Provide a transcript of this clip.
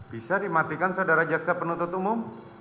bisa dimatikan saudara jaksa penuntut umum